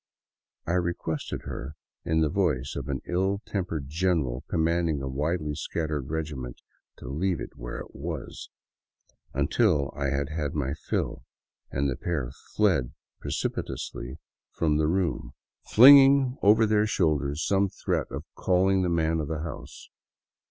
I requested her, in the voice of an ill tempered general commanding a widely scattered regiment, to leave it where it was until I had had my fill, and the pair fled precipitously from the room, flinging 219 VAGABONDING DOWN THE ANDES over their shoulders some threat of calling the man of the house.